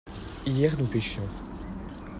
Hier nous pêchions.